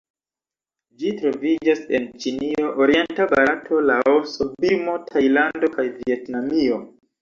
Ĝi troviĝas en Ĉinio, orienta Barato, Laoso, Birmo, Tajlando kaj Vjetnamio.